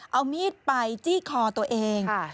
เอามีดไปจี้คอตัวเอง